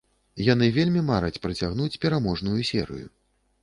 Яны вельмі мараць працягнуць пераможную серыю.